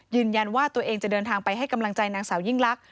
ยืนยันว่าตัวเองจะเดินทางไปให้กำลังใจนางสาวยิ่งลักษ